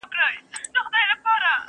چي وجود را سره زما او وزر ستا وي,